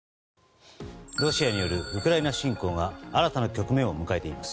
ロシアによるウクライナ侵攻が新たな局面を迎えています。